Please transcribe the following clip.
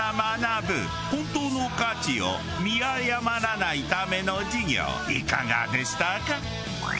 本当の価値を見誤らないための授業いかがでしたか？